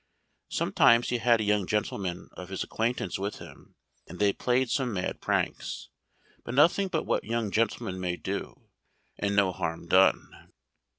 Sometimes he had young gentlemen of his acquaintance with him, and they played some mad pranks; but nothing but what young gentlemen may do, and no harm done."